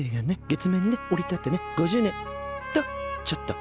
月面にね降り立ってね５０年。とちょっと。